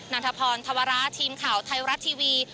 ันทพรธวระทีมข่าวไทยรัฐทีวี